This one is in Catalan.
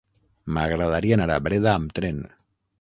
M'agradaria anar a Breda amb tren.